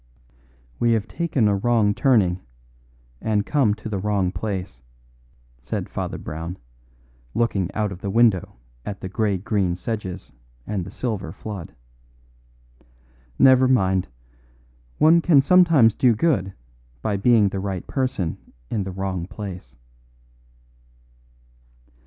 "We have taken a wrong turning, and come to a wrong place," said Father Brown, looking out of the window at the grey green sedges and the silver flood. "Never mind; one can sometimes do good by being the right person in the wrong place."